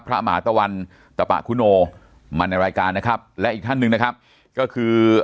หมาตะวันตะปะคุโนมาในรายการนะครับและอีกท่านหนึ่งนะครับก็คือ